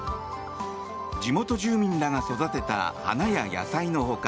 地元住民らが育てた花や野菜の他